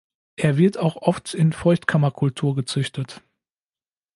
Er wird auch oft in Feuchtkammerkultur gezüchtet.